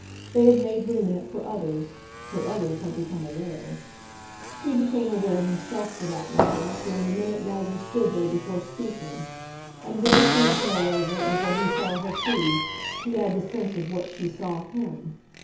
They had made room in it for others so others had become aware. He became aware himself, for that matter, during the minute Maggie stood there before speaking; and with the sense, moreover, of what he saw her see, he had the sense of what she saw HIM.